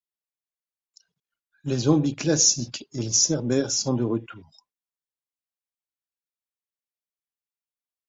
Les zombies classique et les cerbères sont de retour.